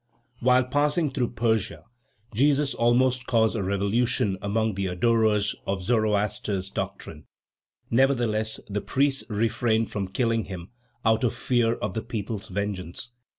While passing through Persia, Jesus almost caused a revolution among the adorers of Zoroaster's doctrine. Nevertheless, the priests refrained from killing him, out of fear of the people's vengeance.